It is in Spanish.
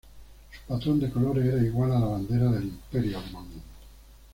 Su patrón de colores era igual a la bandera del Imperio alemán.